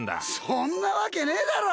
そんなわけねえだろ！